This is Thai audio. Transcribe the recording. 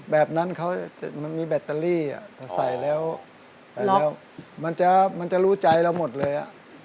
แบบนั้นเขามันมีแบตเตอรี่แต่ใส่แล้วมันจะรู้ใจเราหมดเลย